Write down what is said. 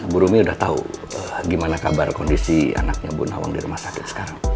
bu rumi udah tahu gimana kabar kondisi anaknya bu nawang di rumah sakit sekarang